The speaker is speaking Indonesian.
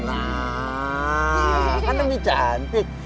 nah kan lebih cantik